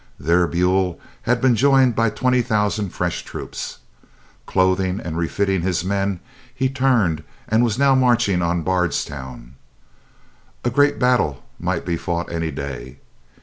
There Buell had been joined by twenty thousand fresh troops. Clothing and refitting his men, he had turned, and was now marching on Bardstown. A great battle might be fought any day.